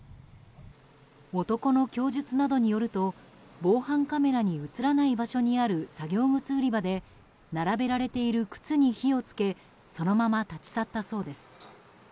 男の供述などによると防犯カメラに映らない場所にある作業靴売り場で並べられている靴に火を付けそのまま立ち去ったそうです。